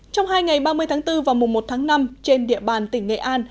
trong hai ngày ba mươi tháng bốn và mùa một tháng năm trên địa bàn tỉnh nghệ an